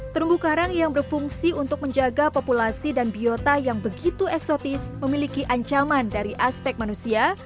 terumbu karang yang berfungsi untuk menjaga populasi dan biota yang begitu eksotis memiliki ancaman dari aspek manusia